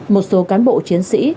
một số cán bộ chiến sĩ